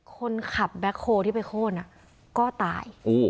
คนขับแบ็คโฮที่ไปโค้นก็ตาย